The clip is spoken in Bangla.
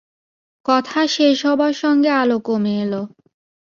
কথা শেষ হবার সঙ্গে আলো কমে এল!